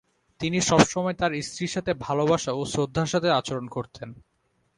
তিনি সবসময় তার স্ত্রীর সাথে ভালোবাসা ও শ্রদ্ধার সাথে আচরণ করতেন।